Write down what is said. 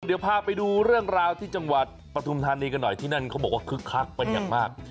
เดี๋ยวพาไปดูเรื่องราวที่จังหวัดปฐุมธานีกันหน่อยที่นั่นเขาบอกว่าคึกคักเป็นอย่างมาก